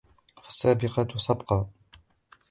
فالسابقات سبقا